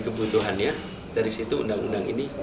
kebutuhannya dari situ undang undang ini